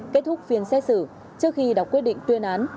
kết thúc phiên xét xử trước khi đọc quyết định tuyên án